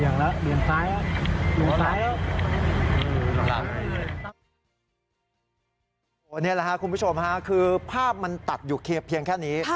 นี่แหละคุณผู้ชมค่ะคือภาพมันตัดอยู่เพียงแค่นี้